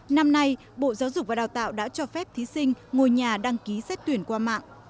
năm nay bộ giáo dục và đào tạo đã cho phép thí sinh ngồi nhà đăng ký xét tuyển qua mạng